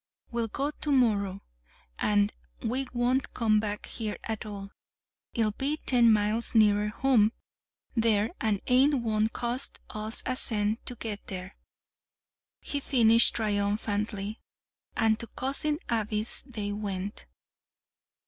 We'll go to morrow, an' we won't come back here at all it'll be ten miles nearer home there, an' it won't cost us a cent ter get there," he finished triumphantly. And to Cousin Abby's they went.